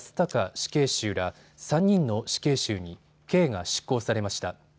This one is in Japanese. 死刑囚ら３人の死刑囚に刑が執行されました。